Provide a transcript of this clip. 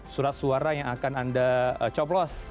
surat suara yang akan anda coplos